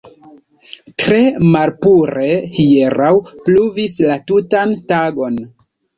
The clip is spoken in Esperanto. Tre malpure; hieraŭ pluvis la tutan tagon.